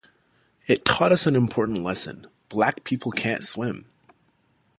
It taught us an important lesson: Black people can't swim.